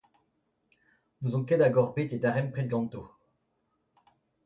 N’ouzon ket hag-eñ ocʼh bet e darempred ganto ?